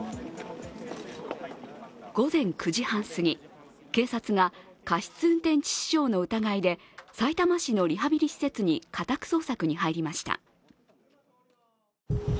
午前９時半すぎ、警察が過失運転致死傷の疑いでさいたま市のリハビリ施設に家宅捜索に入りました。